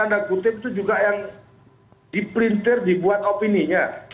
dalam tanda kutip itu juga yang diprintir dibuat opini nya